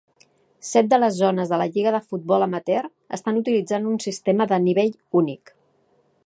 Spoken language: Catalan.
Set de les zones de la Lliga de futbol amateur estan utilitzant un sistema de nivell únic.